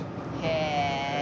へえ！